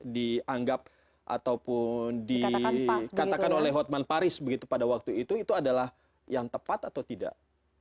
dianggap ataupun dikatakan oleh hotman paris begitu pada waktu itu itu adalah yang tepat atau tidak